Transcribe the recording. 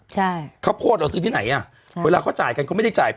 ใช่ข้าวโพดเราซื้อที่ไหนอ่ะเวลาเขาจ่ายกันเขาไม่ได้จ่าย